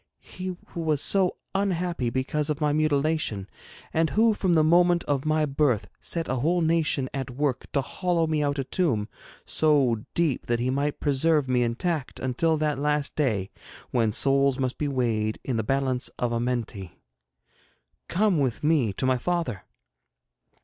He who was so unhappy because of my mutilation, and who from the moment of my birth set a whole nation at work to hollow me out a tomb so deep that he might preserve me intact until that last day when souls must be weighed in the balance of Amenthi! Come with me to my father.